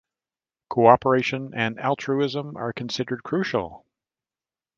Cooperation and altruism are considered crucial.